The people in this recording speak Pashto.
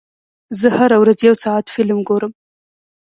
زه هره ورځ یو ساعت فلم ګورم.